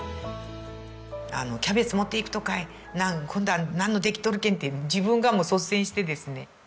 キャベツ持っていくとかい今度は何できとるけんって自分が率先してですね。